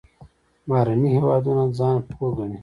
بهرني هېوادونه ځان پوه ګڼي.